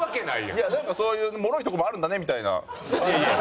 なんかそういうもろいとこもあるんだねみたいな。